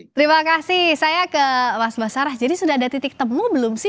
terima kasih saya ke mas basarah jadi sudah ada titik temu belum sih